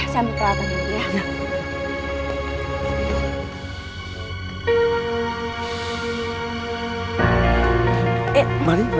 saya ambil peralatan ya